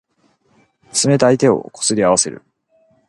冷たい手をこすり合わせる。